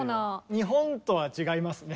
日本とは違いますね。